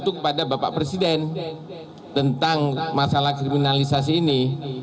untuk kepada bapak presiden tentang masalah kriminalisasi ini